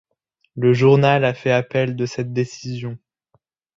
Le journal a fait appel de cette décision.